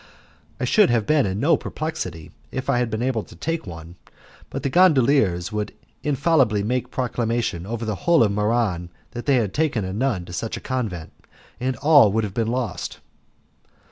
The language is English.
I should have been in no perplexity if I had been able to take one, but the gondoliers would infallibly make proclamation over the whole of Muran that they had taken a nun to such a convent, and all would have been lost.